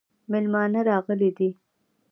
مېلمانه راغلي دي